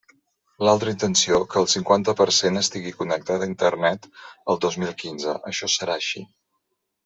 L'altra intenció, que el cinquanta per cent estigui connectat a Internet el dos mil quinze, això serà així.